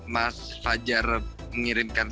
mas fajar mengirimkan